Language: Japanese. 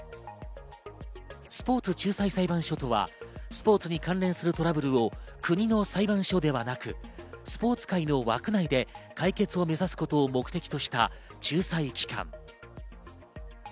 スポーツ仲裁裁判所とはスポーツに関連するトラブルを国の裁判所ではなくスポーツ界の枠内で解決を目指すことを目的とした仲裁機関。